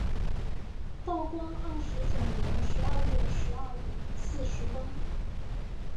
道光二十九年十二月十二日巳时崩。